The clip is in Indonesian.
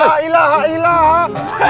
lah ilah lah ilah